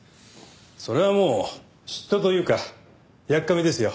それはもう嫉妬というかやっかみですよ。